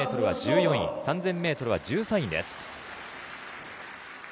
３０００ｍは１３位です。